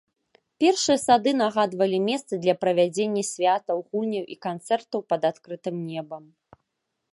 Першыя сады нагадвалі месцы для правядзення святаў, гульняў і канцэртаў пад адкрытым небам.